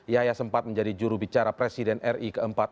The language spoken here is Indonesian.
yahya sempat menjadi jurubicara presiden ri keempat